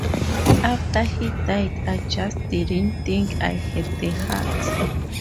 After he died I just didn't think I had the heart.